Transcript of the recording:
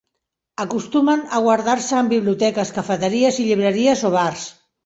Acostumen a guardar-se en biblioteques, cafeteries i llibreries o bars.